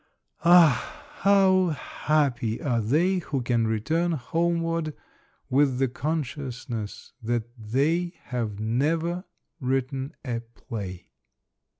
Ah ! how happy are they who can return homeward with the consciousness that they have never written a play